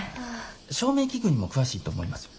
照明器具にも詳しいと思いますよ。